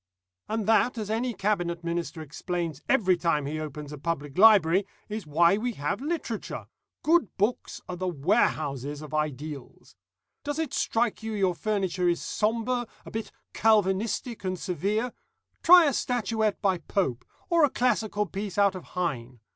"And that, as any Cabinet Minister explains every time he opens a public library, is why we have literature. Good books are the warehouses of ideals. Does it strike you your furniture is sombre, a bit Calvinistic and severe try a statuette by Pope, or a classical piece out of Heine.